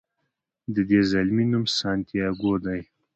د دې زلمي نوم سانتیاګو دی.